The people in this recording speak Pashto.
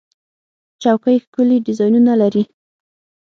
چوکۍ ښکلي ډیزاینونه لري.